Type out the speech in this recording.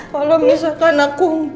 kalau misalkan aku